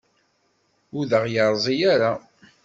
Ur d aɣ-yerzi ara.